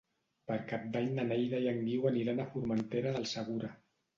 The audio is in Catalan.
Per Cap d'Any na Neida i en Guiu aniran a Formentera del Segura.